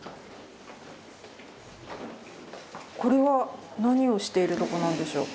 これは何をしているとこなんでしょう？